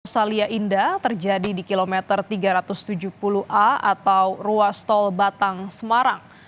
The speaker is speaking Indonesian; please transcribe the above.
salia indah terjadi di kilometer tiga ratus tujuh puluh a atau ruas tol batang semarang